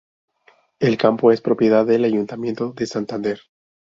El campo es propiedad del Ayuntamiento de Santander.